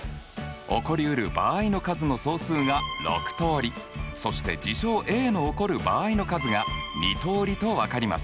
起こりうる場合の数の総数が６通りそして事象Ａの起こる場合の数が２通りと分かります。